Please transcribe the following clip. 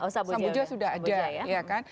samboja sudah ada